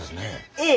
ええ。